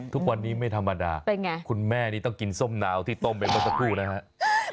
ทุกวันนี้ไม่ธรรมดาคุณแม่นี่ต้องกินส้มน้ำที่ต้มไปมาสักผู้นะฮะเป็นไง